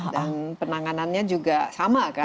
dan penanganannya juga sama kan